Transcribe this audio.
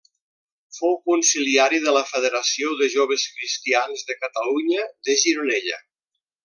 Fou consiliari de la Federació de Joves Cristians de Catalunya de Gironella.